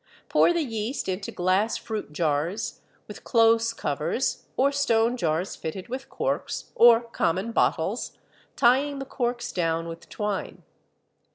Pour the yeast into glass fruit jars with close covers, or stone jars fitted with corks, or common bottles, tying the corks down with twine.